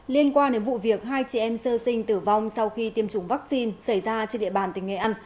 liên quan đến vụ việc hai chị em sơ sinh tử vong sau khi tiêm chủng vaccine xảy ra trên địa bàn tỉnh nghệ an